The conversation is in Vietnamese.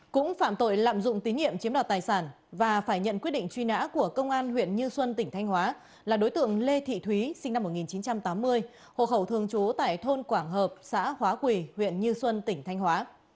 cũng phạm tội lạm dụng tín nhiệm chiếm đoạt tài sản và phải nhận quyết định truy nã của công an huyện như xuân tỉnh thanh hóa là đối tượng lê thị thúy sinh năm một nghìn chín trăm tám mươi hộ khẩu thường trú tại thôn quảng hợp xã hóa quỳ huyện như xuân tỉnh thanh hóa